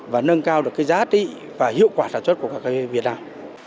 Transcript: và nâng cao được cái giá trị và hiệu quả sản xuất của cà phê việt nam